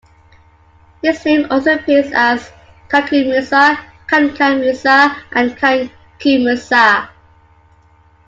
His name also appears as Kankou Musa, Kankan Musa, and Kanku Musa.